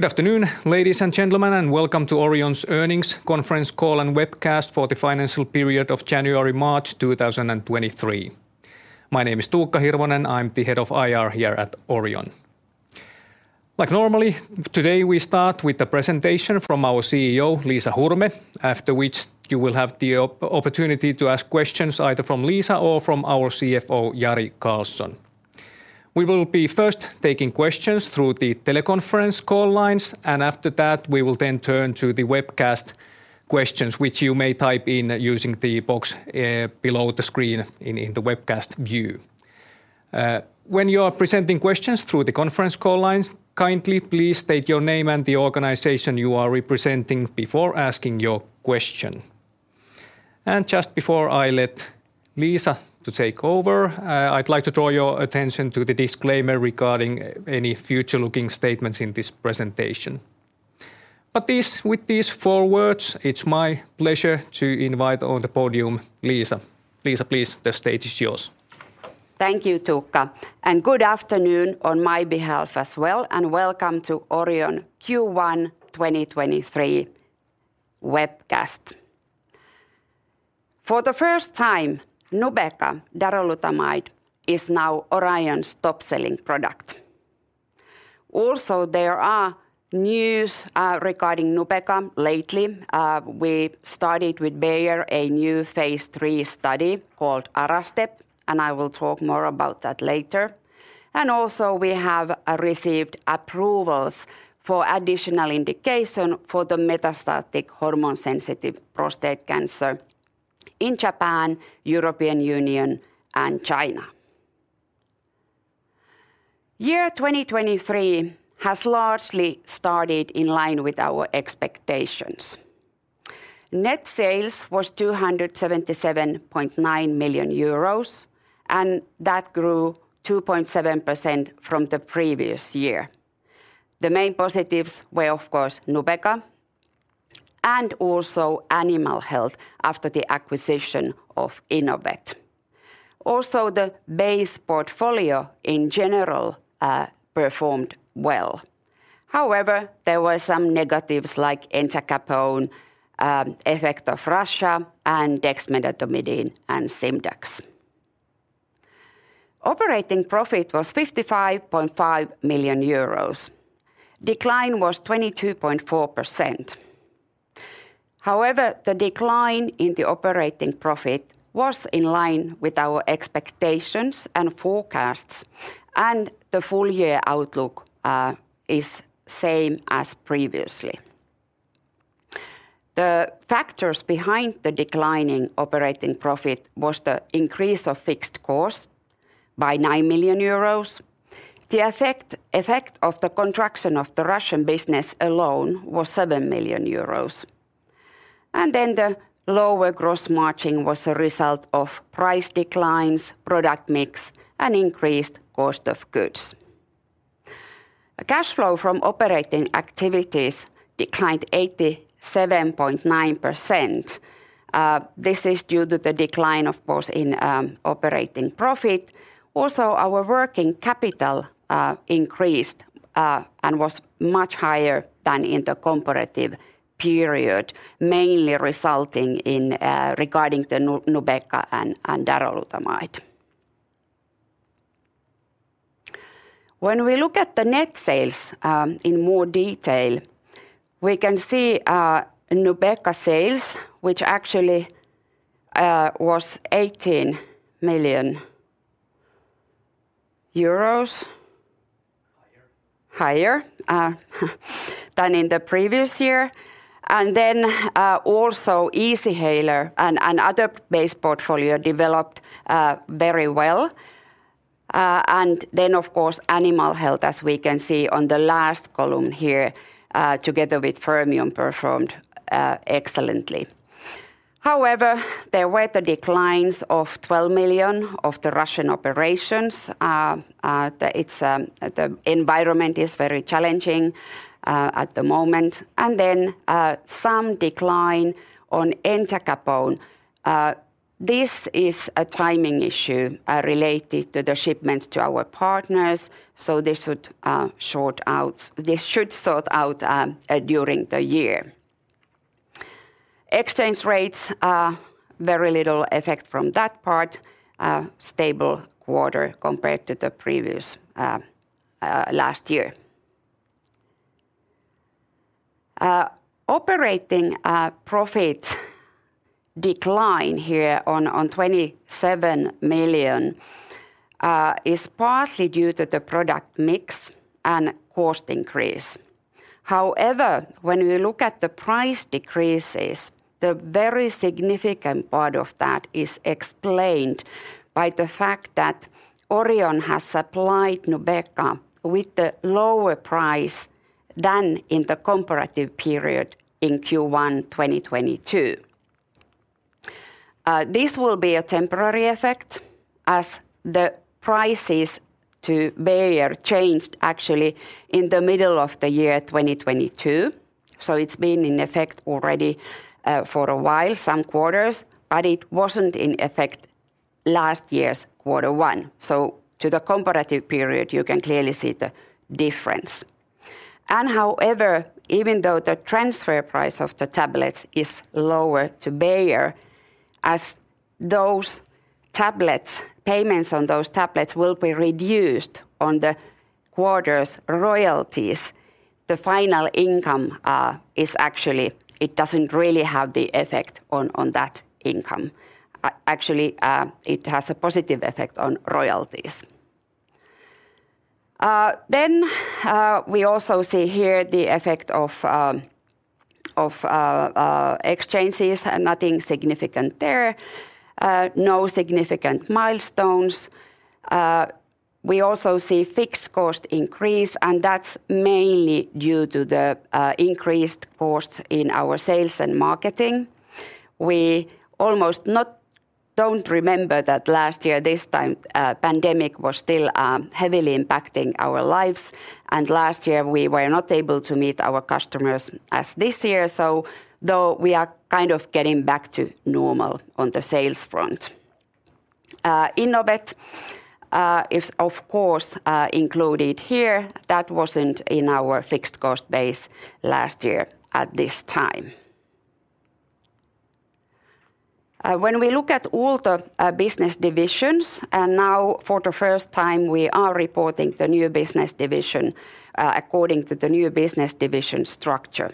Good afternoon, ladies and gentlemen, and welcome to Orion's Earnings Conference Call and Webcast for the financial period of January, March 2023. My name is Tuukka Hirvonen, I'm the head of IR here at Orion. Like normally, today we start with the presentation from our CEO, Liisa Hurme, after which you will have the opportunity to ask questions either from Liisa or from our CFO, Jari Karlson. We will be first taking questions through the teleconference call lines And after that, we will then turn to the webcast questions which you may type in using the box below the screen in the webcast view. When you are presenting questions through the conference call lines, kindly please state your name and the organization you are representing before asking your question. Just before I let Liisa to take over, I'd like to draw your attention to the disclaimer regarding any future looking statements in this presentation. With these four words, it's my pleasure to invite on the podium, Liisa. Liisa, please, the stage is yours. Thank you, Tuukka. Good afternoon on my behalf as well, and welcome to Orion Q1 2023 Webcast. For the first time, Nubeqa darolutamide is now Orion's top selling product. There are news regarding Nubeqa lately. We started with Bayer a new phase III study called ARASTEP, and I will talk more about that later. We have received approvals for additional indication for the metastatic hormone-sensitive prostate cancer in Japan, European Union, and China. Year 2023 has largely started in line with our expectations. Net sales was 277.9 million euros, and that grew 2.7% from the previous year. The main positives were, of course, Nubeqa, and also Animal Health after the acquisition of Inovet. The base portfolio in general performed well. There were some negatives like entacapone, effect of Russia, and dexmedetomidine, and Simdax. Operating profit was 55.5 million euros. Decline was 22.4%. The decline in the operating profit was in line with our expectations and forecasts, the full year outlook is same as previously. The factors behind the decline in operating profit was the increase of fixed costs by 9 million euros. The effect of the contraction of the Russian business alone was 7 million euros. The lower gross margin was a result of price declines, product mix, and increased cost of goods. A cash flow from operating activities declined 87.9%. This is due to the decline of course in operating profit. Also our working capital increased and was much higher than in the comparative period, mainly resulting in regarding the Nubeqa and darolutamide. When we look at the net sales in more detail, we can see Nubeqa sales, which actually was EUR 18 million higher Higher Higher than in the previous year. Also Easyhaler and other base portfolio developed very well. Of course Animal Health, as we can see on the last column here, together with Fermion performed excellently. However, there were the declines of 12 million of the Russian operations. It's the environment is very challenging at the moment. Some decline on entacapone. This is a timing issue related to the shipments to our partners, so this should sort out during the year. Exchange rates, very little effect from that part. Stable quarter compared to the previous last year. Operating profit decline here on 27 million is partly due to the product mix and cost increase. However, when we look at the price decreases, the very significant part of that is explained by the fact that Orion has supplied Nubeqa with the lower price than in the comparative period in Q1 2022. This will be a temporary effect as the prices to Bayer changed actually in the middle of the year 2022, so it's been in effect already for a while, some quarters, but it wasn't in effect last year's quarter one. To the comparative period, you can clearly see the difference. However, even though the transfer price of the tablets is lower to Bayer, as those tablets, payments on those tablets will be reduced on the quarter's royalties, the final income is actually, it doesn't really have the effect on that income. Actually, it has a positive effect on royalties. We also see here the effect of exchanges, nothing significant there, no significant milestones. We also see fixed cost increase, that's mainly due to the increased costs in our sales and marketing. We almost don't remember that last year this time, pandemic was still heavily impacting our lives, last year we were not able to meet our customers as this year. Though we are kind of getting back to normal on the sales front. Inovet is of course included here. That wasn't in our fixed cost base last year at this time. When we look at all the business divisions, now for the first time we are reporting the new business division, according to the new business division structure,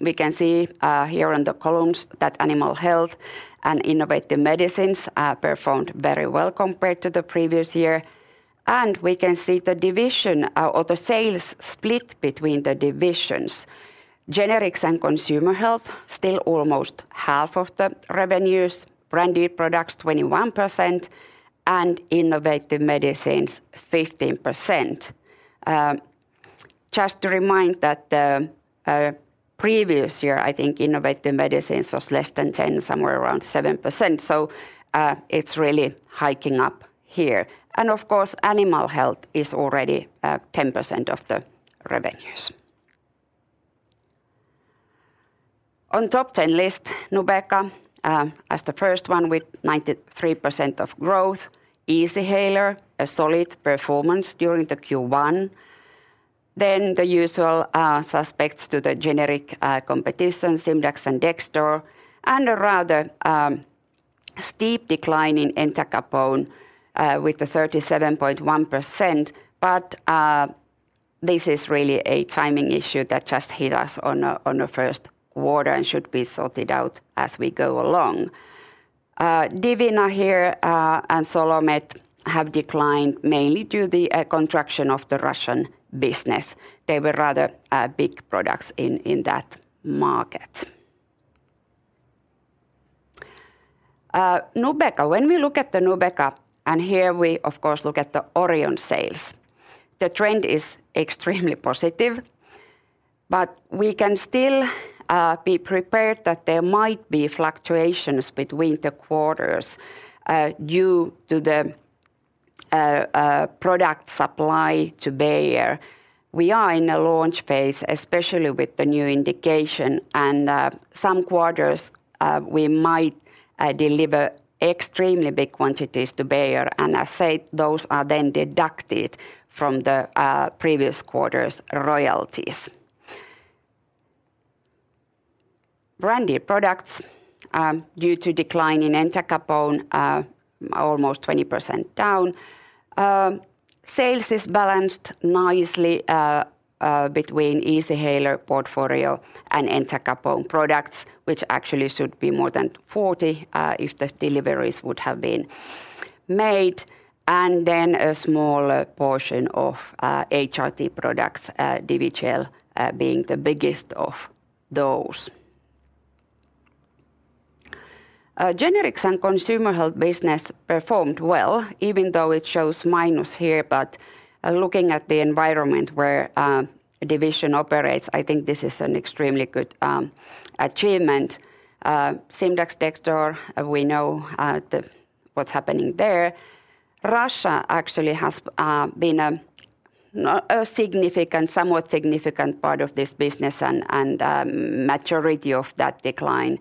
we can see here on the columns that Animal Health and Innovative Medicines performed very well compared to the previous year. We can see the division, or the sales split between the divisions. Generics and Consumer Health, still almost half of the revenues, Branded Products 21%, and Innovative Medicines 15%. Just to remind that the previous year, I think Innovative Medicines was less than 10, somewhere around 7%, so it's really hiking up here. Of course, Animal Health is already 10% of the revenues. On top ten list, Nubeqa, as the first one with 93% of growth, Easyhaler, a solid performance during the Q1, then the usual suspects to the generic competition, Simdax and Dexdor, and a rather steep decline in Entacapone, with the 37.1%. This is really a timing issue that just hit us on a first quarter and should be sorted out as we go along. Divina here, and Solomed have declined mainly due to the contraction of the Russian business. They were rather big products in that market. Nubeqa. When we look at the Nubeqa, and here we of course look at the Orion sales, the trend is extremely positive, but we can still be prepared that there might be fluctuations between the quarters due to the product supply to Bayer. We are in a launch phase, especially with the new indication and some quarters we might deliver extremely big quantities to Bayer, and as said, those are then deducted from the previous quarters' royalties. Branded Products, due to decline in Entacapone, almost 20% down. Sales is balanced nicely between Easyhaler portfolio and Entacapone products, which actually should be more than 40, if the deliveries would have been made, and then a small portion of HRT products, Divigel, being the biggest of those. Generics and Consumer Health business performed well, even though it shows minus here. Looking at the environment where division operates, I think this is an extremely good achievement. Simdax, Dexdor, we know what's happening there. Russia actually has been a significant, somewhat significant part of this business, and majority of that decline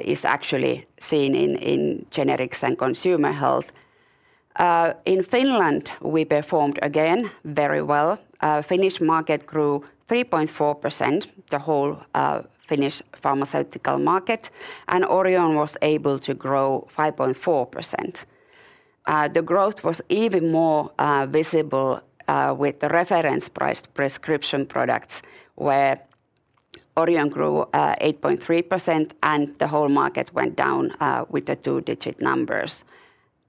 is actually seen in Generics and Consumer Health. In Finland, we performed again very well. Finnish market grew 3.4%, the whole Finnish pharmaceutical market, and Orion was able to grow 5.4%. The growth was even more visible with the reference priced prescription products where Orion grew 8.3%, and the whole market went down with the two digit numbers.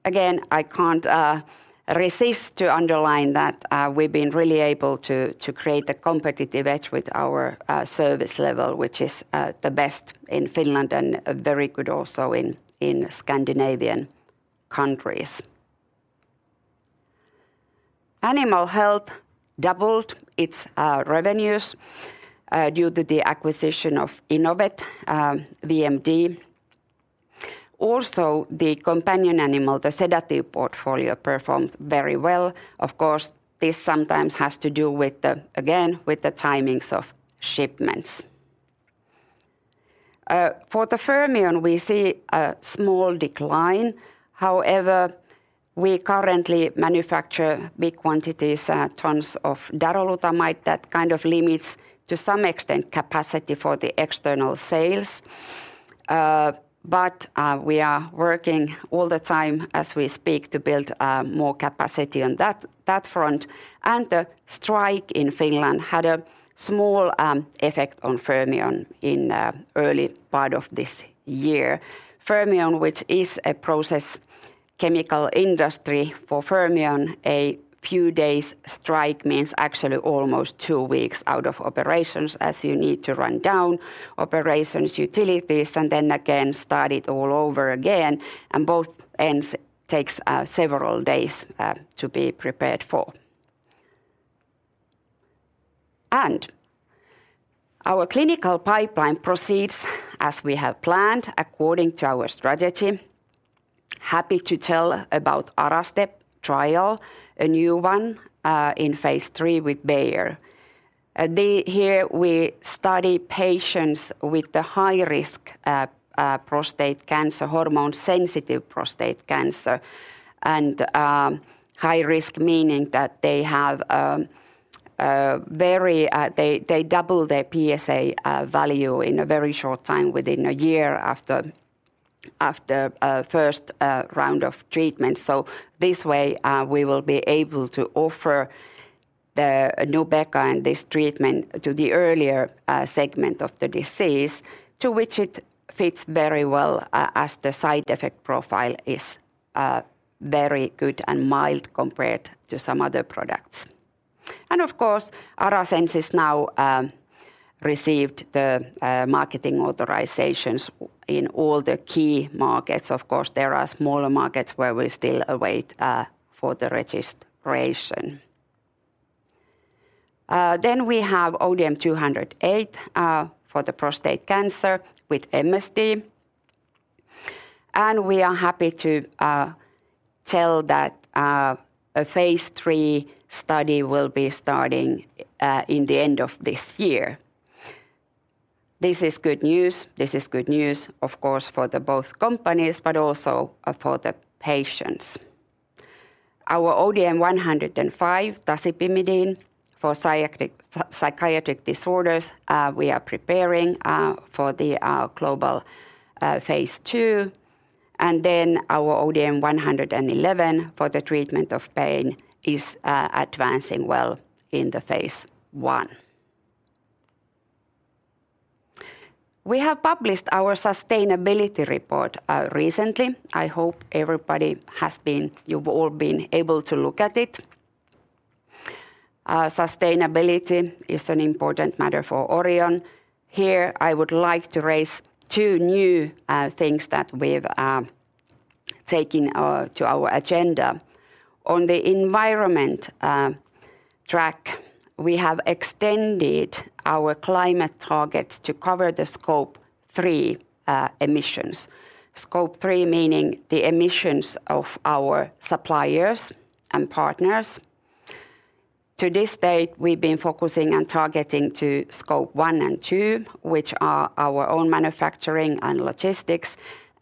Again, I can't resist to underline that we've been really able to create a competitive edge with our service level, which is the best in Finland and very good also in Scandinavian countries. Animal Health doubled its revenues due to the acquisition of Inovet VMD. Also, the companion animal, the sedative portfolio performed very well. Of course, this sometimes has to do with the, again, with the timings of shipments. For the Fermion we see a small decline. However, we currently manufacture big quantities, tons of darolutamide that kind of limits to some extent capacity for the external sales. We are working all the time as we speak to build more capacity on that front. The strike in Finland had a small effect on Fermion in early part of this year. Fermion which is a process chemical industry, for Fermion a few days strike means actually almost two weeks out of operations as you need to run down operations utilities and then again start it all over again and both ends takes several days to be prepared for. Our clinical pipeline proceeds as we have planned according to our strategy. Happy to tell about ARASTEP trial, a new one, in phase III with Bayer. Here we study patients with the high risk, prostate cancer, hormone sensitive prostate cancer, and high risk meaning that they have very, they double their PSA value in a very short time within a year after first round of treatment. This way, we will be able to offer the Nubeqa and this treatment to the earlier segment of the disease to which it fits very well as the side effect profile is very good and mild compared to some other products. ARASENS is now received the marketing authorizations in all the key markets. Of course, there are smaller markets where we still await for the registration. We have ODM-208 for the prostate cancer with MSD. We are happy to tell that a phase III study will be starting in the end of this year. This is good news. This is good news of course for the both companies, but also for the patients. Our ODM-105 tasipimidine for psychiatric disorders, we are preparing for the global phase II, and then our ODM-111 for the treatment of pain is advancing well in the phase I. We have published our sustainability report recently. I hope you've all been able to look at it. Sustainability is an important matter for Orion. Here I would like to raise two new things that we've taken to our agenda. On the environment track, we have extended our climate targets to cover the Scope 3 emissions. Scope 3 meaning the emissions of our suppliers and partners. To this date, we've been focusing on targeting to Scope 1 and 2, which are our own manufacturing and logistics,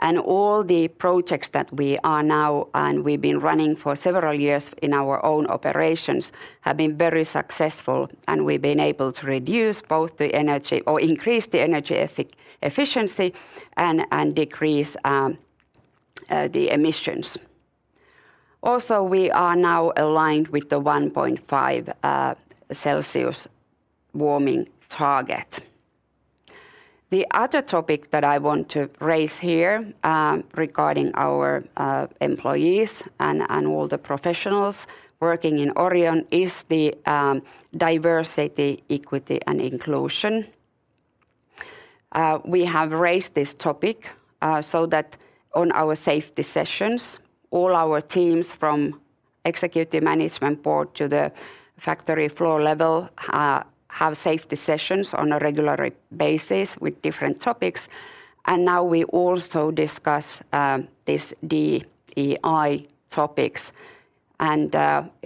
and all the projects that we are now and we've been running for several years in our own operations have been very successful, and we've been able to reduce both the energy or increase the energy efficiency and decrease the emissions. Also, we are now aligned with the 1.5 Celsius warming target. The other topic that I want to raise here regarding our employees and all the professionals working in Orion is the diversity, equity, and inclusion. We have raised this topic so that on our safety sessions, all our teams from Executive Management Board to the factory floor level have safety sessions on a regular basis with different topics. Now we also discuss, this DEI topics.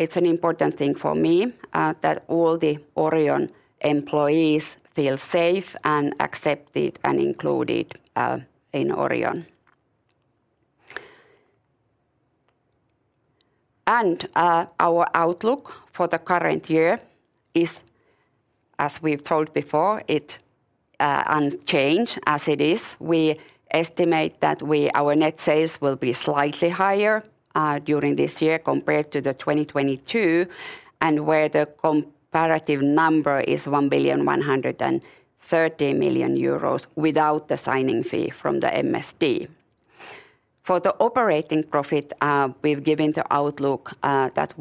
It's an important thing for me that all the Orion employees feel safe and accepted and included in Orion. Our outlook for the current year is, as we've told before, it unchanged as it is. We estimate that our net sales will be slightly higher during this year compared to 2022, and where the comparative number is 1,130 million euros without the signing fee from the MSD. For the operating profit, we've given the outlook that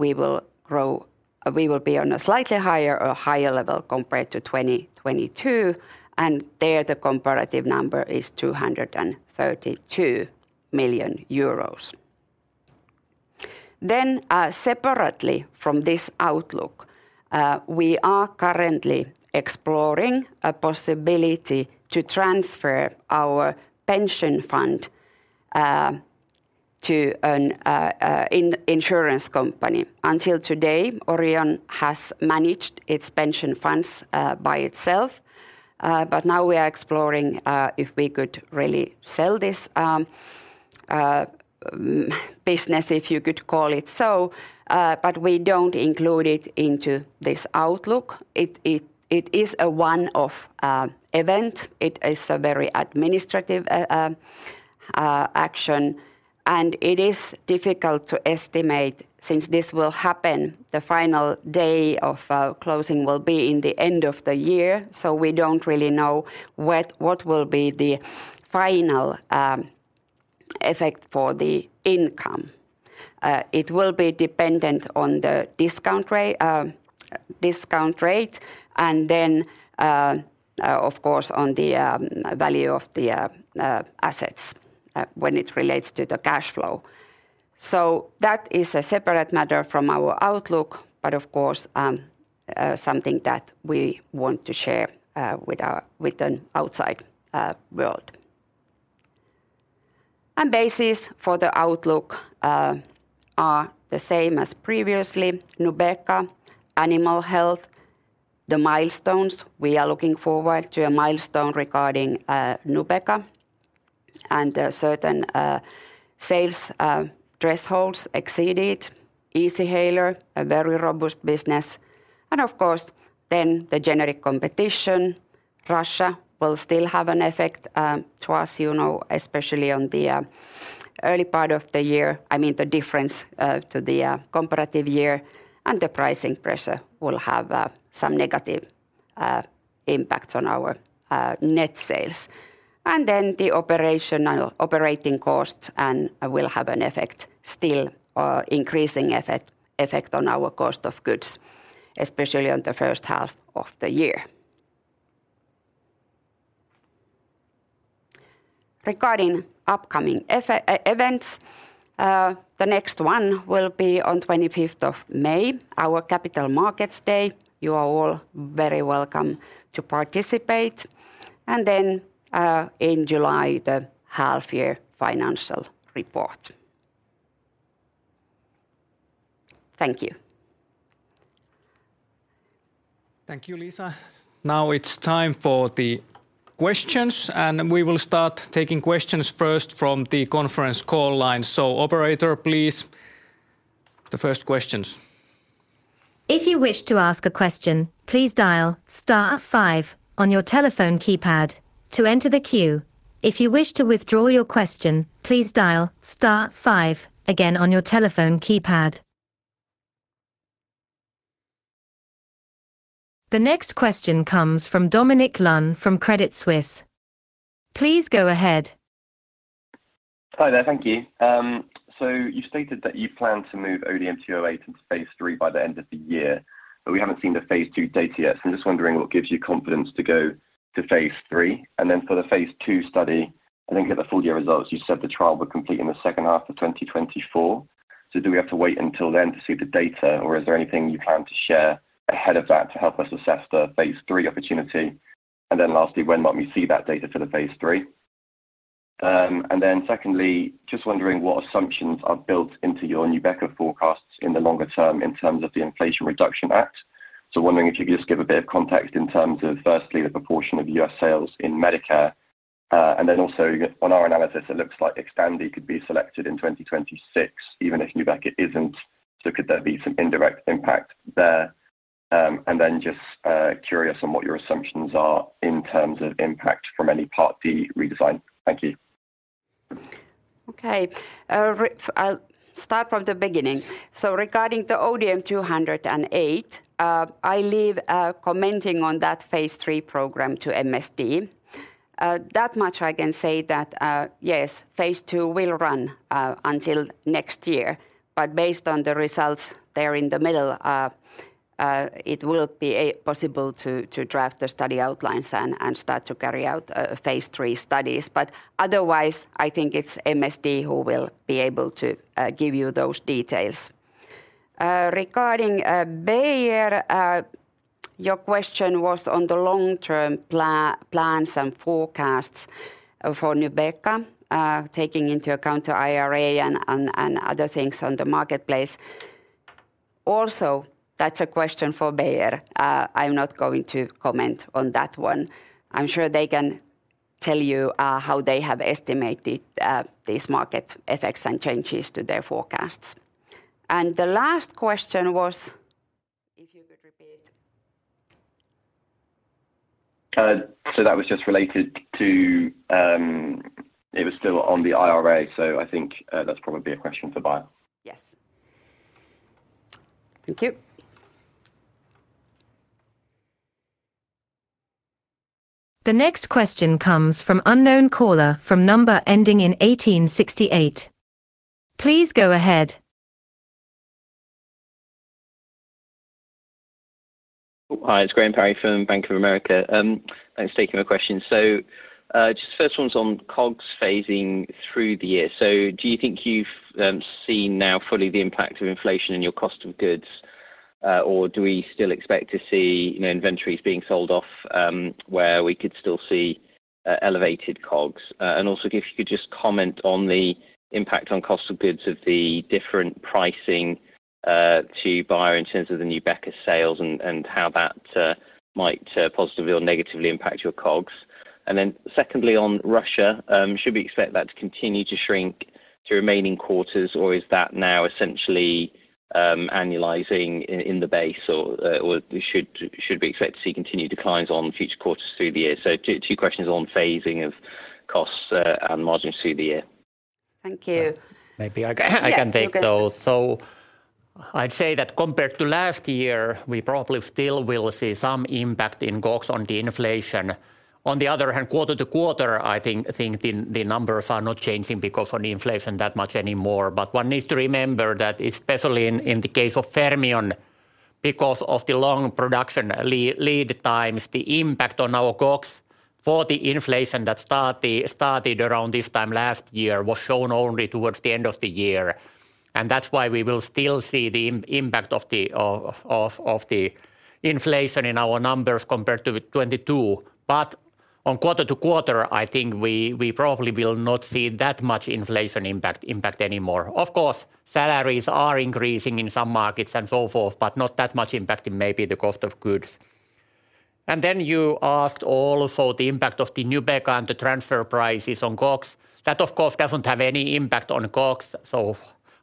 We will be on a slightly higher or higher level compared to 2022, and there the comparative number is 232 million euros. Separately from this outlook, we are currently exploring a possibility to transfer our pension fund to an insurance company. Until today, Orion has managed its pension funds by itself, but now we are exploring if we could really sell this business, if you could call it so, but we don't include it into this outlook. It is a one-off event. It is a very administrative action, and it is difficult to estimate since this will happen the final day of closing will be in the end of the year, so we don't really know what will be the final effect for the income. It will be dependent on the discount rate and then, of course, on the value of the assets when it relates to the cash flow. That is a separate matter from our outlook, but of course, something that we want to share with our, with the outside world. Basis for the outlook are the same as previously. Nubeqa, Animal Health, the milestones. We are looking forward to a milestone regarding Nubeqa and certain sales thresholds exceeded. Easyhaler, a very robust business. Of course, then the generic competition. Russia will still have an effect to us, you know, especially on the early part of the year. I mean, the difference to the comparative year, and the pricing pressure will have some negative impacts on our net sales. The operational operating costs and will have an effect still, increasing effect on our cost of goods, especially on the first half of the year. Regarding upcoming events, the next one will be on 25th of May, our Capital Markets Day. You are all very welcome to participate. In July, the half year financial report. Thank you. Thank you, Liisa. Now it's time for the questions, and we will start taking questions first from the conference call line. Operator, please, the first questions. If you wish to ask a question, please dial star five on your telephone keypad to enter the queue. If you wish to withdraw your question, please dial star five again on your telephone keypad. The next question comes from Dominic Lunn from Credit Suisse. Please go ahead. Hi there. Thank you. You stated that you plan to move ODM-208 into phase III by the end of the year, but we haven't seen the phase II data yet. I'm just wondering what gives you confidence to go to phase III. For the phase II study, I didn't get the full year results. You said the trial would complete in the second half of 2024. Do we have to wait until then to see the data, or is there anything you plan to share ahead of that to help us assess the phase III opportunity? Lastly, when might we see that data for the phase III? Secondly, just wondering what assumptions are built into your Nubeqa forecasts in the longer term in terms of the Inflation Reduction Act. Wondering if you could just give a bit of context in terms of, firstly, the proportion of U.S. sales in Medicare. And then also on our analysis it looks like XTANDI could be selected in 2026 even if Nubeqa isn't, so could there be some indirect impact there? And then just curious on what your assumptions are in terms of impact from any Part D redesign. Thank you. I'll start from the beginning. Regarding the ODM-208, I leave commenting on that phase III program to MSD. That much I can say that, yes, phase II will run until next year, but based on the results there in the middle, it will be possible to draft the study outlines and start to carry out phase III studies. Otherwise, I think it's MSD who will be able to give you those details. Regarding Bayer, your question was on the long-term plans and forecasts for Nubeqa, taking into account the IRA and other things on the marketplace. That's a question for Bayer. I'm not going to comment on that one. I'm sure they can tell you how they have estimated these market effects and changes to their forecasts. The last question was. If you could repeat? That was just related to. It was still on the IRA, so I think, that's probably a question for Bayer. Yes. Thank you. The next question comes from unknown caller from number ending in 1868. Please go ahead. Hi, it's Graham Parry from Bank of America. Thanks for taking my question. Just first one's on COGS phasing through the year. Do you think you've seen now fully the impact of inflation in your cost of goods? Or do we still expect to see, you know, inventories being sold off, where we could still see elevated COGS? And also if you could just comment on the impact on cost of goods of the different pricing to Bayer in terms of the Nubeqa sales and how that might positively or negatively impact your COGS. Secondly on Russia, should we expect that to continue to shrink through remaining quarters or is that now essentially, annualizing in the base or we should expect to see continued declines on future quarters through the year? Two questions on phasing of costs and margins through the year. Thank you. Maybe I. Yes, Jari. I can take those. I'd say that compared to last year, we probably still will see some impact in COGS on the inflation. On the other hand, quarter to quarter, I think the numbers are not changing because of the inflation that much anymore. One needs to remember that especially in the case of Fermion, because of the long production lead times, the impact on our COGS for the inflation that started around this time last year was shown only towards the end of the year. That's why we will still see the impact of the inflation in our numbers compared to 2022. On quarter to quarter, I think we probably will not see that much inflation impact anymore. Salaries are increasing in some markets and so forth, but not that much impact in maybe the COGS. You asked also the impact of the Nubeqa and the transfer prices on COGS. That of course doesn't have any impact on COGS.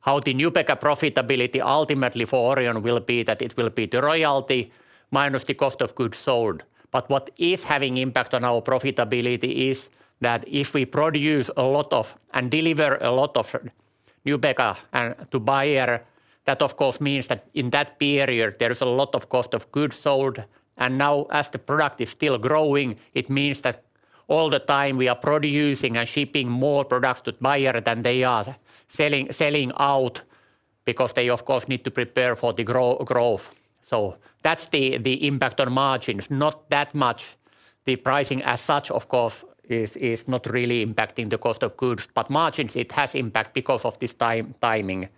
How the Nubeqa profitability ultimately for Orion will be that it will be the royalty minus the COGS. What is having impact on our profitability is that if we produce a lot of, and deliver a lot of Nubeqa and to Bayer, that of course means that in that period there is a lot of COGS. Now as the product is still growing, it means that all the time we are producing and shipping more products to Bayer than they are selling out because they of course need to prepare for the growth. That's the impact on margins, not that much. The pricing as such, of course, is not really impacting the cost of goods, but margins it has impact because of this time-timing.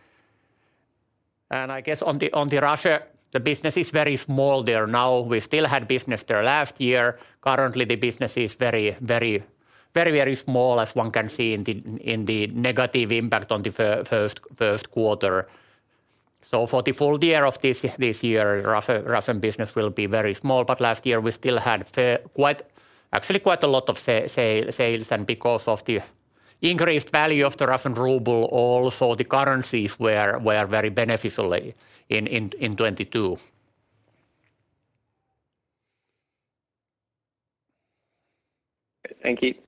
I guess on the Russia, the business is very small there now. We still had business there last year. Currently the business is very small as one can see in the negative impact on the first quarter. For the full-year of this year, Russian business will be very small. But last year we still had quite, actually quite a lot of sales. Because of the increased value of the Russian ruble also the currencies were very beneficially in 2022. Thank you.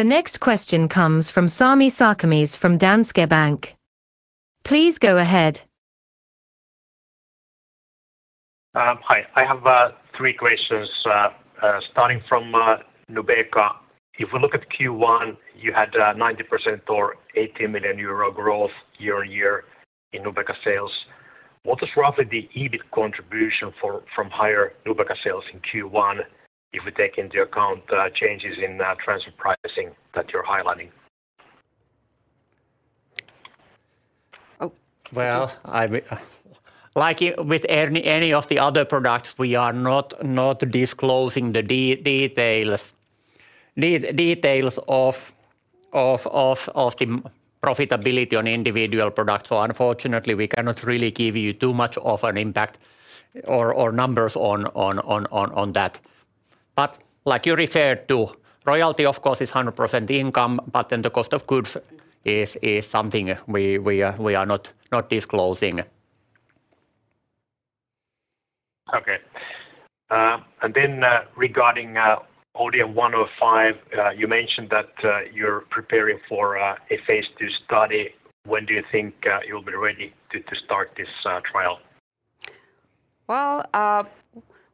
The next question comes from Sami Sarkamies from Danske Bank. Please go ahead. Hi. I have three questions, starting from Nubeqa. If we look at Q1, you had 90% or 80 million euro growth year-on-year in Nubeqa sales. What is roughly the EBIT contribution from higher Nubeqa sales in Q1 if we take into account changes in transfer pricing that you're highlighting? Oh. Well, I mean, like with any of the other products, we are not disclosing the details of the profitability on individual products. Unfortunately we cannot really give you too much of an impact or numbers on that. Like you referred to, royalty of course is 100% income, but then the cost of goods is something we are not disclosing. Okay. Regarding ODM-105, you mentioned that you're preparing for a phase II study. When do you think you'll be ready to start this trial? Well,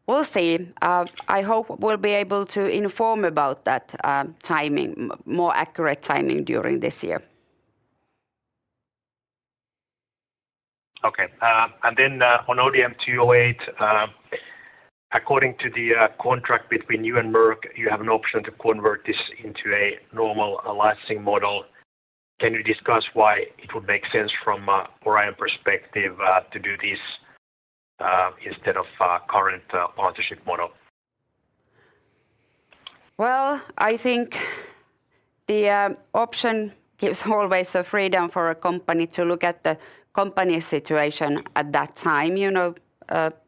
we'll see. I hope we'll be able to inform about that, timing, more accurate timing during this year. Okay. On ODM-208, according to the contract between you and Merck, you have an option to convert this into a normal licensing model. Can you discuss why it would make sense from a Orion perspective, to do this, instead of current partnership model? Well, I think the option gives always a freedom for a company to look at the company situation at that time. You know,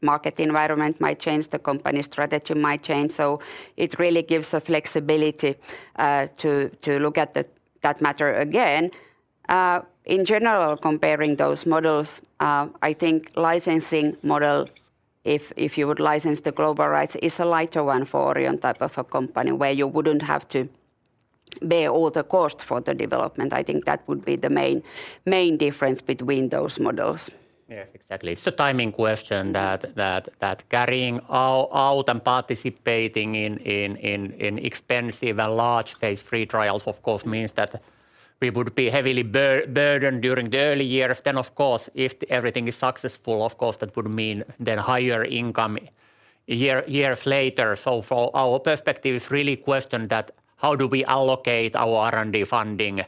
market environment might change, the company strategy might change, so it really gives a flexibility to look at that matter again. In general, comparing those models, I think licensing model, if you would license the global rights, is a lighter one for Orion type of a company where you wouldn't have to bear all the costs for the development. I think that would be the main difference between those models. Yes, exactly. It's a timing question that carrying out and participating in expensive and large phase III trials of course means that we would be heavily burdened during the early years. Of course, if everything is successful, of course that would mean higher income years later. For our perspective is really question that how do we allocate our R&D funding.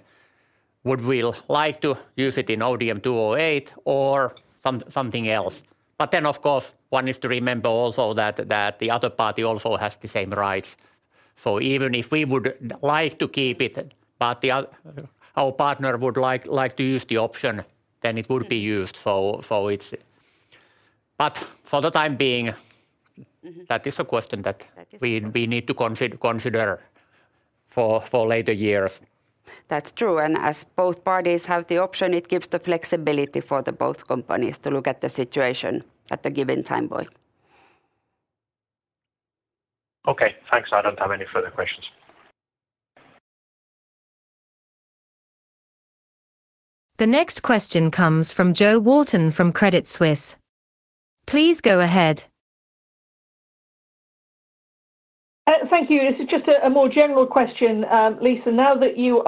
Would we like to use it in ODM-208 or something else? Of course, one is to remember also that the other party also has the same rights. Even if we would like to keep it but our partner would like to use the option, then it would be used. It's. For the time being that is a question. That is true. we need to consider for later years. That's true, and as both parties have the option, it gives the flexibility for the both companies to look at the situation at the given time point. Okay. Thanks. I don't have any further questions. The next question comes from Jo Walton from Credit Suisse. Please go ahead. Thank you. This is just a more general question, Liisa. Now that you've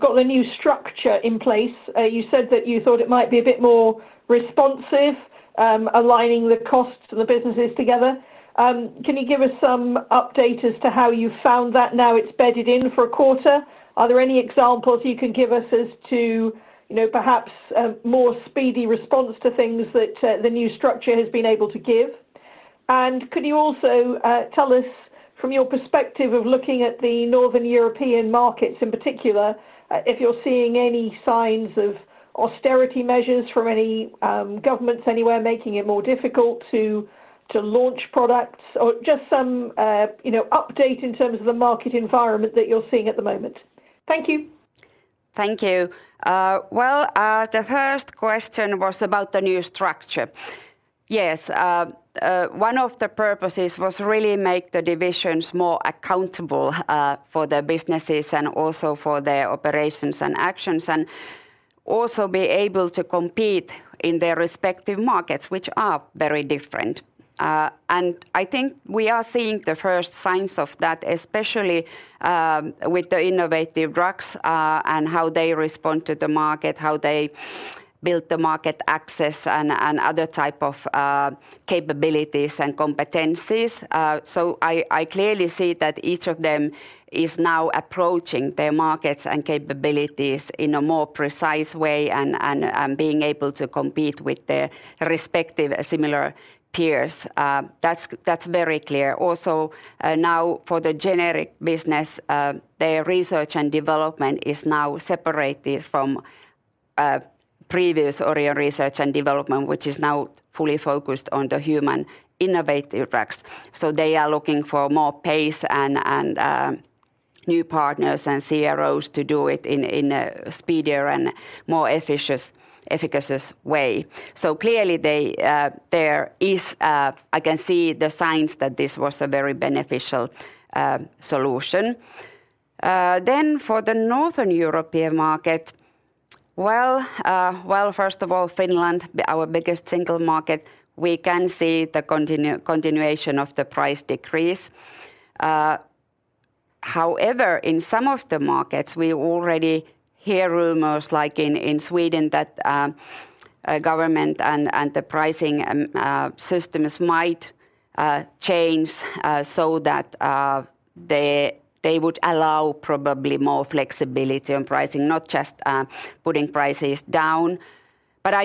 got the new structure in place, you said that you thought it might be a bit more responsive, aligning the costs of the businesses together. Can you give us some update as to how you found that now it's bedded in for a quarter? Are there any examples you can give us as to, you know, perhaps a more speedy response to things that the new structure has been able to give? Could you also tell us from your perspective of looking at the Northern European markets in particular, if you're seeing any signs of austerity measures from any governments anywhere making it more difficult to launch products or just some, you know, update in terms of the market environment that you're seeing at the moment? Thank you. Thank you. Well, the first question was about the new structure. Yes, one of the purposes was really make the divisions more accountable for their businesses and also for their operations and actions, and also be able to compete in their respective markets, which are very different. I think we are seeing the first signs of that, especially with the innovative drugs, and how they respond to the market, how they build the market access and other type of capabilities and competencies. I clearly see that each of them is now approaching their markets and capabilities in a more precise way and being able to compete with their respective similar peers. That's very clear. Now for the generic business, their research and development is now separated from previous Orion research and development, which is now fully focused on the human innovative drugs. They are looking for more pace and new partners and CROs to do it in a speedier and more efficient, efficacious way. Clearly they, there is, I can see the signs that this was a very beneficial solution. For the Northern European market, well, first of all Finland, our biggest single market, we can see the continuation of the price decrease. However, in some of the markets we already hear rumors, like in Sweden that government and the pricing systems might change so that they would allow probably more flexibility on pricing, not just putting prices down.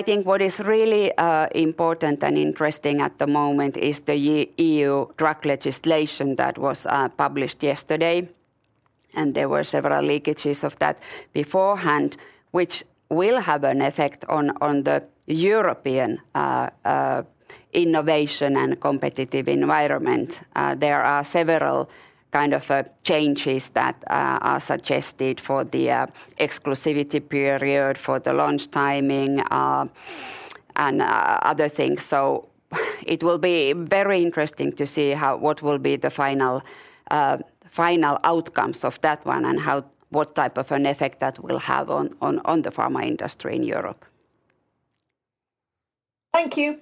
I think what is really important and interesting at the moment is the EU pharmaceutical legislation that was published yesterday, and there were several leakages of that beforehand, which will have an effect on the European innovation and competitive environment. There are several kind of changes that are suggested for the exclusivity period, for the launch timing, and other things. It will be very interesting to see what will be the final outcomes of that one. What type of an effect that will have on the pharma industry in Europe. Thank you.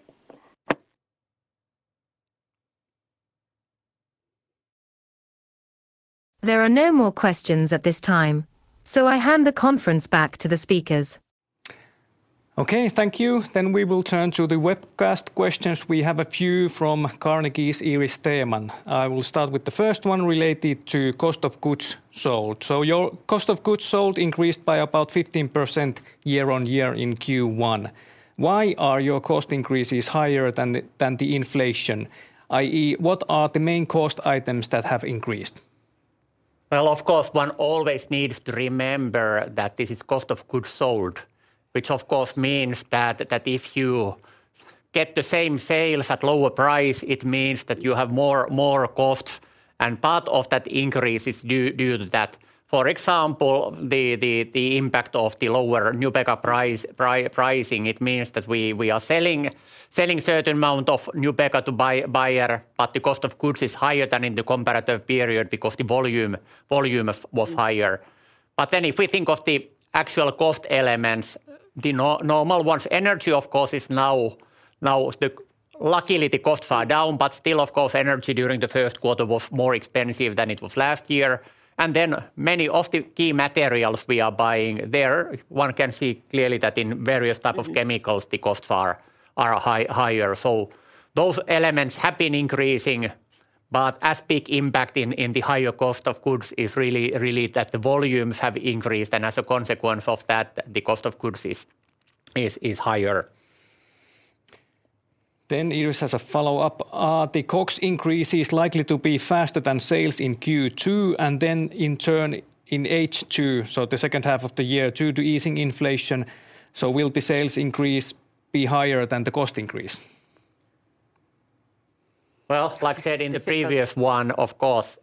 There are no more questions at this time, so I hand the conference back to the speakers. Thank you. We will turn to the webcast questions. We have a few from Carnegie's Iiris Theman. I will start with the first one related to cost of goods sold. Your cost of goods sold increased by about 15% year-on-year in Q1. Why are your cost increases higher than the inflation? I.e., what are the main cost items that have increased? Well, of course, one always needs to remember that this is cost of goods sold, which of course means that if you get the same sales at lower price, it means that you have more costs, and part of that increase is due to that. For example, the impact of the lower Nubeqa price, pricing, it means that we are selling certain amount of Nubeqa to buyer, but the cost of goods is higher than in the comparative period because the volume of was higher. If we think of the actual cost elements, the normal ones, energy of course is now. Luckily, the costs are down, but still, of course, energy during the first quarter was more expensive than it was last year. Many of the key materials we are buying there, one can see clearly that in various type of chemicals the costs are high-higher. Those elements have been increasing but as big impact in the higher cost of goods is really that the volumes have increased, and as a consequence of that, the cost of goods is higher. Ires has a follow-up. Are the COGS increases likely to be faster than sales in Q2 and then in turn in H2, so the second half of the year, due to easing inflation, so will the sales increase be higher than the cost increase? Like I said in the previous one, of course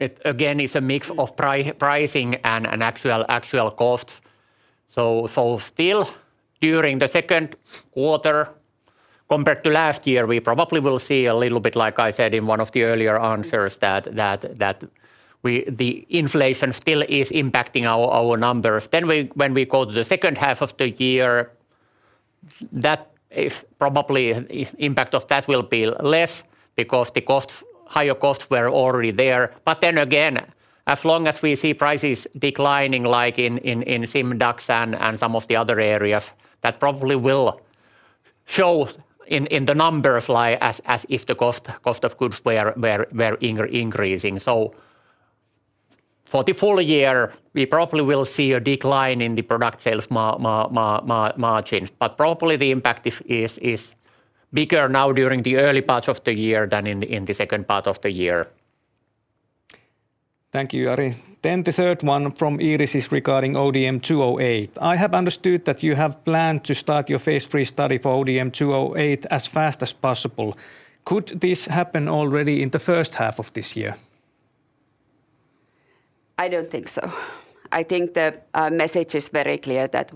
it again is a mix of pricing and actual costs. Still during the second quarter compared to last year we probably will see a little bit, like I said in one of the earlier answers, that the inflation still is impacting our numbers. When we go to the second half of the year, probably if impact of that will be less because the costs, higher costs were already there. Again, as long as we see prices declining like in Simdax and some of the other areas, that probably will show in the numbers as if the cost of goods were increasing. For the full year, we probably will see a decline in the product sales margins, but probably the impact is bigger now during the early part of the year than in the second part of the year. Thank you, Jari. The third one from Ires is regarding ODM-208. I have understood that you have planned to start your phase III study for ODM-208 as fast as possible. Could this happen already in the first half of this year? I don't think so. I think the message is very clear that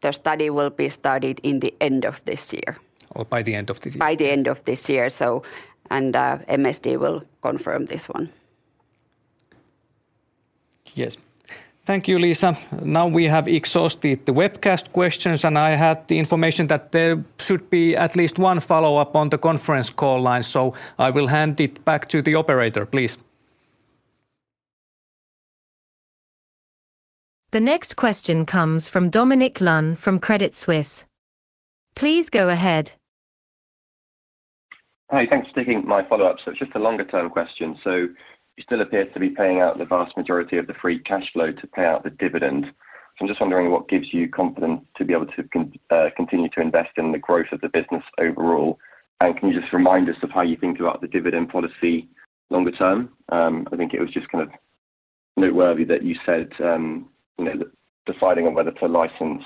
the study will be started in the end of this year. by the end of this year. By the end of this year. MSD will confirm this one. Yes. Thank you, Liisa. Now we have exhausted the webcast questions, and I had the information that there should be at least one follow-up on the conference call line, so I will hand it back to the operator please. The next question comes from Dominic Lunn from Credit Suisse. Please go ahead. Hi. Thanks for taking my follow-up. It's just a longer term question. You still appear to be paying out the vast majority of the free cash flow to pay out the dividend. I'm just wondering what gives you confidence to be able to continue to invest in the growth of the business overall, and can you just remind us of how you think about the dividend policy longer term? I think it was just kind of noteworthy that you said, you know, that deciding on whether to license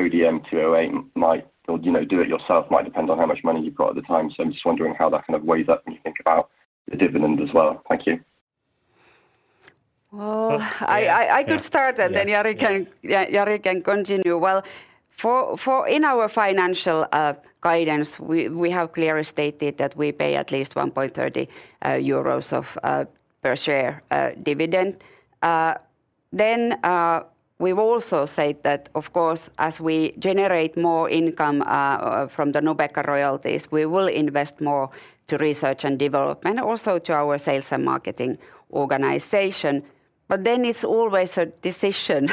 ODM-208 might or, you know, do it yourself might depend on how much money you've got at the time. I'm just wondering how that kind of weighs up when you think about the dividend as well. Thank you. Well Yeah I could start. Yeah And then Jari can continue. Well, for in our financial guidance, we have clearly stated that we pay at least 1.30 euros per share dividend. We've also said that, of course, as we generate more income from the Nubeqa royalties, we will invest more to research and development, also to our sales and marketing organization. It's always a decision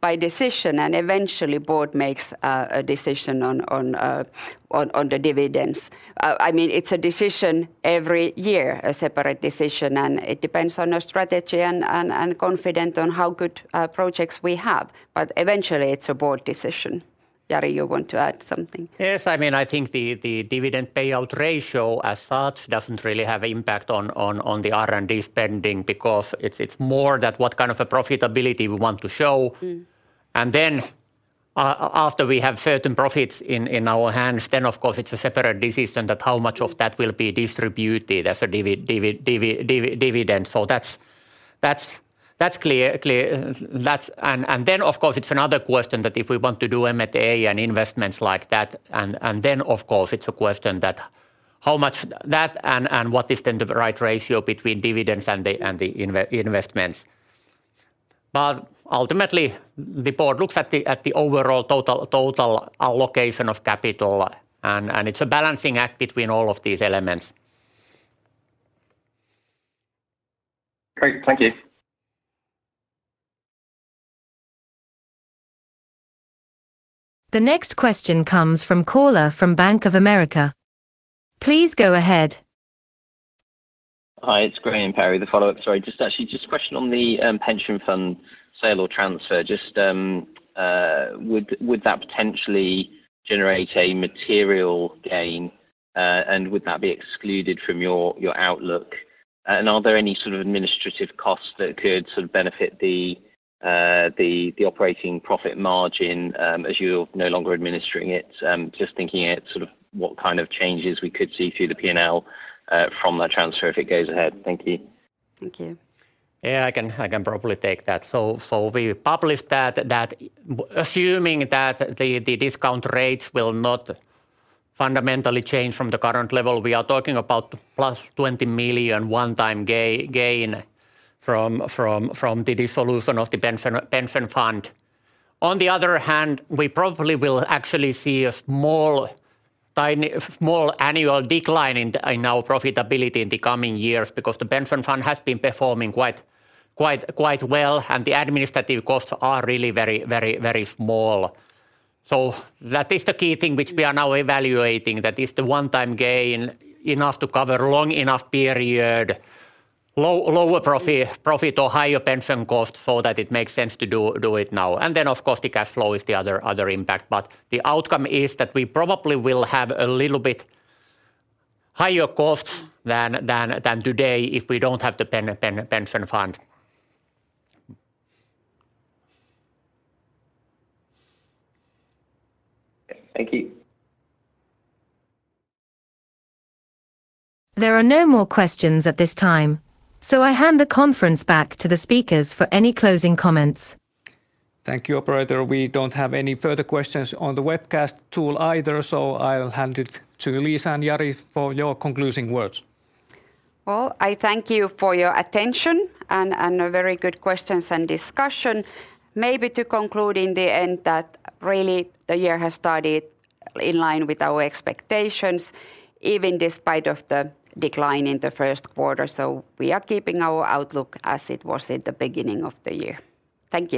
by decision, and eventually board makes a decision on the dividends. I mean, it's a decision every year, a separate decision, and it depends on your strategy and confident on how good projects we have. Eventually it's a board decision. Jari, you want to add something? Yes. I mean, I think the dividend payout ratio as such doesn't really have impact on the R&D spending because it's more that what kind of a profitability we want to show. Then, after we have certain profits in our hands, then of course it's a separate decision that how much of that will be distributed as a dividend. That's clear. That's. Then of course it's another question that if we want to do M&A and investments like that, then of course it's a question that how much that and what is then the right ratio between dividends and the investments. Ultimately the board looks at the overall total allocation of capital and it's a balancing act between all of these elements. Great. Thank you. The next question comes from caller from Bank of America. Please go ahead. Hi, it's Graham Parry the follow-up. Sorry, just actually just a question on the pension fund sale or transfer. Just would that potentially generate a material gain and would that be excluded from your outlook? Are there any sort of administrative costs that could sort of benefit the the operating profit margin as you're no longer administering it? Just thinking at sort of what kind of changes we could see through the P&L from that transfer if it goes ahead. Thank you. Thank you. Yeah. I can probably take that. We published that assuming that the discount rates will not fundamentally change from the current level, we are talking about plus 20 million one-time gain from the dissolution of the pension fund. On the other hand, we probably will actually see a small, tiny, small annual decline in our profitability in the coming years because the pension fund has been performing quite well, and the administrative costs are really very small. That is the key thing which we are now evaluating, that is the one-time gain enough to cover long enough period lower profit or higher pension costs so that it makes sense to do it now. Of course the cash flow is the other impact. The outcome is that we probably will have a little bit higher costs than today if we don't have the pension fund. Thank you. There are no more questions at this time, so I hand the conference back to the speakers for any closing comments. Thank you, operator. We don't have any further questions on the webcast tool either. I'll hand it to Liisa and Jari for your concluding words. Well, I thank you for your attention and very good questions and discussion. Maybe to conclude in the end that really the year has started in line with our expectations, even despite of the decline in the first quarter. We are keeping our outlook as it was at the beginning of the year. Thank you.